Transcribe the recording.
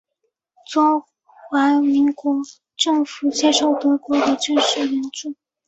中华民国政府接受德国的军事援助。